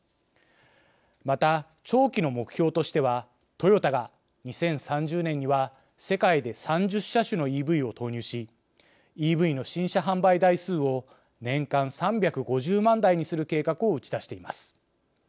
また長期の目標としてはトヨタが２０３０年には世界で３０車種のＥＶを投入しＥＶの新車販売台数を年間３５０万台にする計画を打ち出しています。